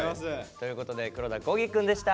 ということで黒田光輝くんでした。